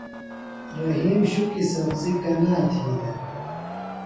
رحیم شُکیۡ سبزیۡ کنا تھی دےۡ ؟